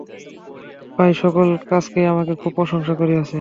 প্রায় সকল কাগজেই আমাকে খুব প্রশংসা করিয়াছে।